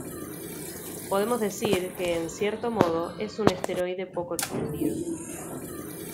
Podemos decir que en cierto modo es un esteroide poco extendido.